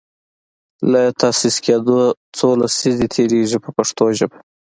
له تاسیس کیدو یې څو لسیزې تیریږي په پښتو ژبه.